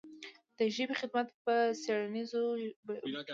د ژبې خدمت په څېړنیزو پروژو دی.